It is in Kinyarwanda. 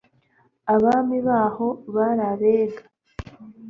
Abami baho, bari Abega.